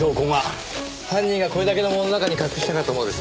犯人がこれだけのものの中に隠したかったものです。